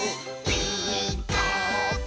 「ピーカーブ！」